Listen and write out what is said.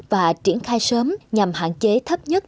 và triển khai sớm nhằm hạn chế thấp nhất